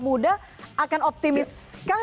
muda akan optimistkah